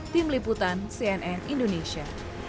tim liputan cnn indonesia